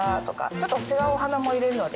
ちょっと違うお花も入れるので。